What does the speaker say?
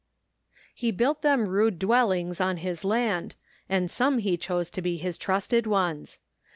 He built them rude dwellings on his land, and some he chose to be his trusted ones.